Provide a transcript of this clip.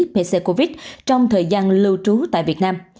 pccovid trong thời gian lưu trú tại việt nam